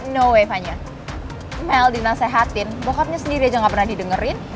no way vanya mel dinasehatin bokapnya sendiri aja gak pernah didengerin